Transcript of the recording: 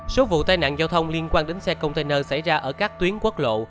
số vụ tai nạn giao thông liên quan đến xe container xảy ra ở các tuyến quốc lộ